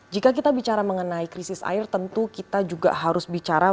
jika kita bicara mengenai krisis air tentu kita juga harus bicara